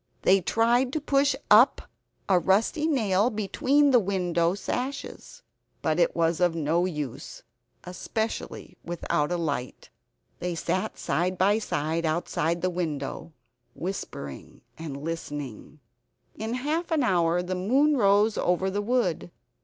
They tried to push up a rusty nail between the window sashes; but it was of no use, especially without a light. They sat side by side outside the window, whispering and listening. In half an hour the moon rose over the wood.